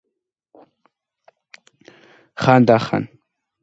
ხანდახან სამხრეთ-აღმოსავლეთ აზიის ქვეყნები შეჰყავთ სამხრეთ აზიის შემადგენლობაში.